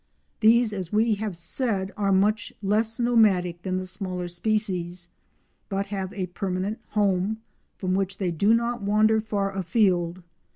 These, as we have said, are much less nomadic than the smaller species, but have a permanent home, from which they do not wander far afield.